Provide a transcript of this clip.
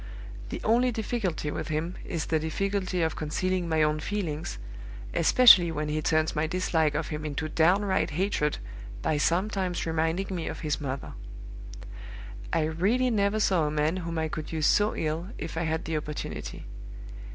The only difficulty with him is the difficulty of concealing my own feelings, especially when he turns my dislike of him into downright hatred by sometimes reminding me of his mother. I really never saw a man whom I could use so ill, if I had the opportunity.